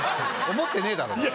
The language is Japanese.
思ってねぇだろ？